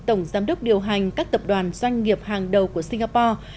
tổng giám đốc điều hành các tập đoàn doanh nghiệp hàng đầu của singapore